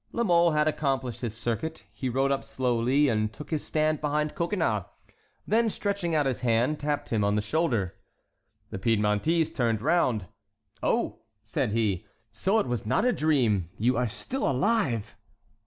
La Mole had accomplished his circuit. He rode up slowly and took his stand behind Coconnas; then stretching out his hand tapped him on the shoulder. The Piedmontese turned round. "Oh!" said he, "so it was not a dream! You are still alive!"